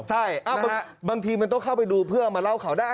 ใช่บางทีมันต้องเข้าไปดูเพื่อมาเล่าข่าวได้